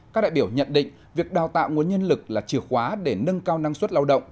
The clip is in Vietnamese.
các đại biểu nhận định việc đào tạo nguồn nhân lực là chìa khóa để nâng cao năng suất lao động